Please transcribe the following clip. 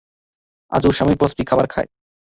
আজও স্বামীর পর স্ত্রী খাবার খায়।